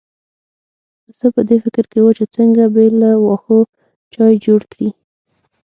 پسه په دې فکر کې و چې څنګه بې له واښو چای جوړ کړي.